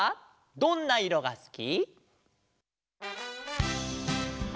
「どんないろがすき」「」